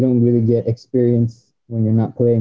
lu ga bisa pengalaman ketika lu ga main